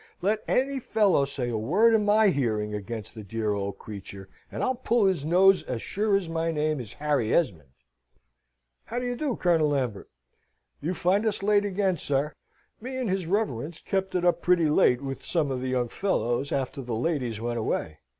"Let any fellow say a word in my hearing against that dear old creature, and I'll pull his nose, as sure as my name is Harry Esmond. How do you do, Colonel Lambert? You find us late again, sir. Me and his reverence kept it up pretty late with some of the young fellows, after the ladies went away.